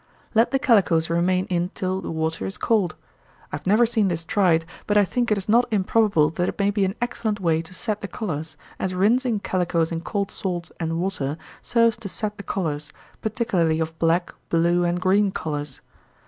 Let the calicoes remain in till the water is cold. I have never seen this tried, but I think it not improbable that it may be an excellent way to set the colors, as rinsing calicoes in cold salt and water serves to set the colors, particularly of black, blue, and green colors.